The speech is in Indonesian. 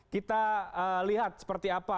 kita lihat seperti apa